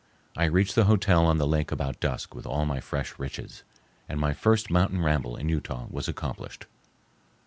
I reached the hotel on the lake about dusk with all my fresh riches, and my first mountain ramble in Utah was accomplished.